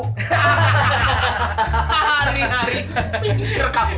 hari hari pinggir kamu